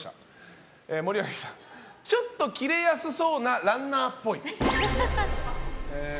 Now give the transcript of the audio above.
森脇さん、ちょっとキレやすそうなランナーっぽい。